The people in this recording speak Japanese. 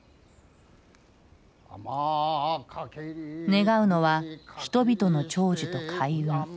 願うのは人々の長寿と開運。